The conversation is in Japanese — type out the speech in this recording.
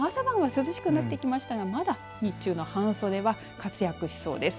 朝晩は涼しくなってきましたがまだ、日中の半袖は活躍しそうです。